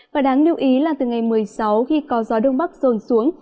và đáng lưu ý là từ ngày một mươi sáu khi có gió đông bắc rồn xuống